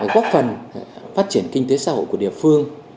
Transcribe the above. góp phần phát triển kinh tế xã hội của địa phương